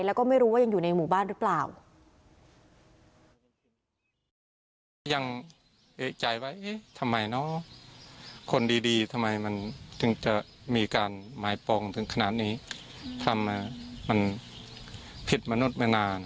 แล้วก็ไม่รู้ว่ายังอยู่ในหมู่บ้านหรือเปล่า